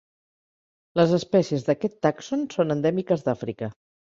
Les espècies d'aquest tàxon són endèmiques d'Àfrica.